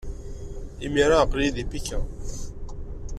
Imir-a, aql-iyi deg Pikin.